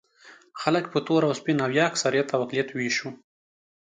خلک په تور او سپین او یا اکثریت او اقلیت وېشو.